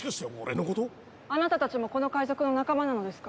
あなたたちもこの界賊の仲間なのですか？